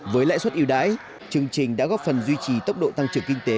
với lãi suất yêu đáy chương trình đã góp phần duy trì tốc độ tăng trưởng kinh tế